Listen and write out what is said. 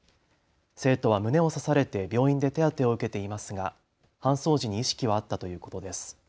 生徒は胸を刺されて病院で手当てを受けていますが搬送時に意識はあったということです。